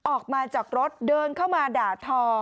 ออกมาจากรถเดินเข้ามาด่าทอ